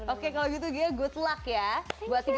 oke kalau gitu ghea good luck ya buat tiganya